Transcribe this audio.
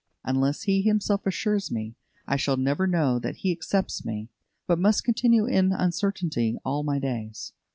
Unless He Himself assures me, I shall never know that He accepts me, but must continue in uncertainty all my days.